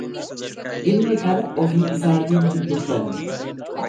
Inni kana ofii isaatiin hin dubbanne.